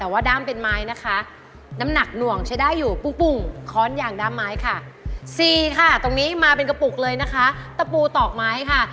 เอาไปนั่งตามในสวนเรียนแบบนี้หรอต่อทำเองหรอฮะ